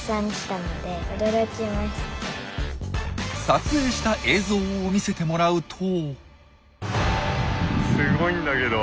撮影した映像を見せてもらうと。